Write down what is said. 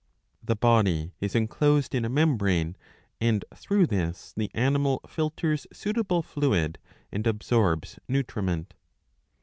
The body is enclosed in a membrane, and through this the animal filters suitable fluid and absorbs nutriment.